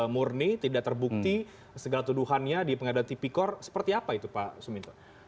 murni tidak terbukti segala tuduhannya di pengadilan tipikor seperti apa itu pak suminto